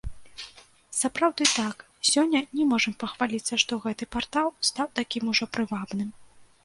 Сапраўды так, сёння не можам пахваліцца, што гэты партал стаў такім ужо прывабным.